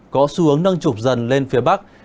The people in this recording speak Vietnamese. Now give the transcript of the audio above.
có xu hướng nâng trục dần lên phía bắc